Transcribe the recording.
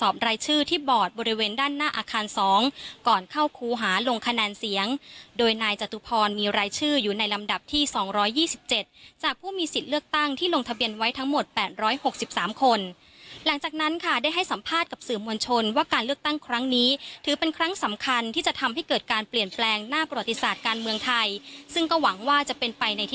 เป็นรายชื่ออยู่ในลำดับที่สองร้อยยี่สิบเจ็ดจากผู้มีสิทธิ์เลือกตั้งที่ลงทะเบียนไว้ทั้งหมดแปดร้อยหกสิบสามคนหลังจากนั้นค่ะได้ให้สัมภาษณ์กับสื่อมวลชนว่าการเลือกตั้งครั้งนี้ถือเป็นครั้งสำคัญที่จะทำให้เกิดการเปลี่ยนแปลงหน้าประวัติศาสตร์การเมืองไทยซึ่งก็หวังว่าจะเป็นไปใ